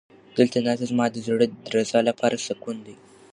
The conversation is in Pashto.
دلته ناسته زما د زړه د درزا لپاره سکون دی.